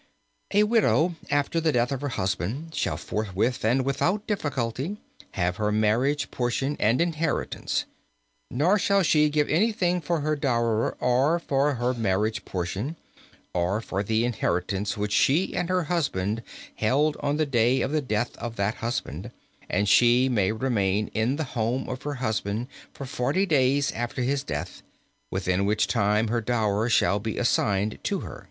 "A widow, after the death of her husband, shall forthwith and without difficulty have her marriage portion and inheritance; nor shall she give anything for her dower or for her marriage portion, or for the inheritance which she and her husband held on the day of the death of that husband; and she may remain in the house of her husband for forty days after his death, within which time her dower shall be assigned to her."